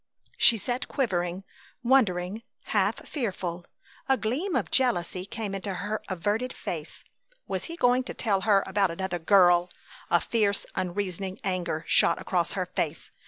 She sat quivering, wondering, half fearful. A gleam of jealousy came into her averted face. Was he going to tell her about another girl? A fierce, unreasoning anger shot across her face.